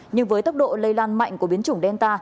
nhưng với tốc độ lây lan mạnh của biến chủng delta